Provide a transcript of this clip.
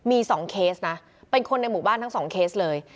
มี๒เคสนะเป็นคนในหมู่บ้านทั้ง๒เคสเลย